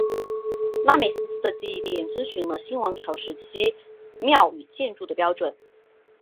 拉美西斯的祭庙遵循了新王朝时期庙与建筑的标准。